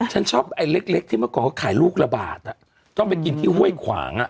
ฉันชอบไอ้เล็กที่เมื่อก่อนเขาขายลูกละบาทต้องไปกินที่ห้วยขวาง